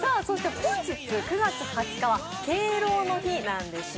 本日９月２０日は敬老の日なんですね。